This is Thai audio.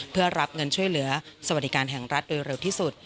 เพื่อรับเงินช่วยเหลือสวัสดิการแห่งรัฐโดยเร็วที่สุด